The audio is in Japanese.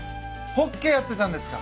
ホッケーやってたんですか。